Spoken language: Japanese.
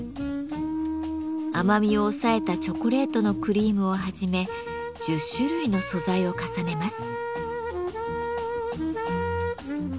甘みを抑えたチョコレートのクリームをはじめ１０種類の素材を重ねます。